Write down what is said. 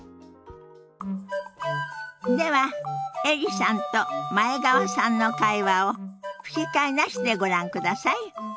ではエリさんと前川さんの会話を吹き替えなしでご覧ください。